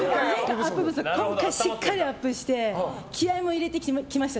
今回、しっかりアップして気合も入れてきました